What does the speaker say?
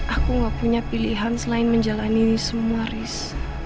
aku gak punya pilihan selain menjalani ini semua haris